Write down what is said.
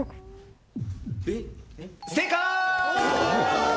正解。